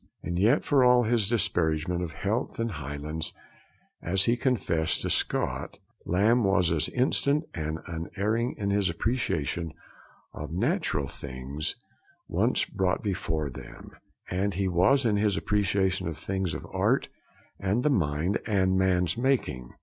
And yet, for all his 'disparagement of heath and highlands,' as he confessed to Scott, Lamb was as instant and unerring in his appreciation of natural things, once brought before them, as he was in his appreciation of the things of art and the mind and man's making.